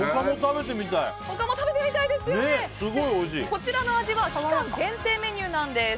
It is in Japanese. こちらの味は期間限定メニューなんです。